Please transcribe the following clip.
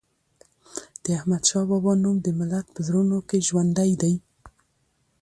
د احمد شاه بابا نوم د ملت په زړونو کې ژوندی دی.